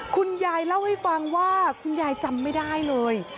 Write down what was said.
คุณยายเล่าให้ฟังว่าคุณยายจำไม่ได้เลย